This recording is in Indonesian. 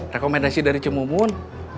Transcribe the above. rekomendasi dari cemumun